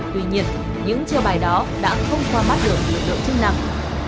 tuy nhiên những chiêu bài đó đã không pha mát được lực lượng chức năng